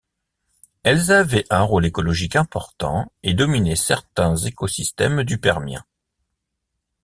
Elles avaient un rôle écologique important et dominaient certains écosystèmes du Permien.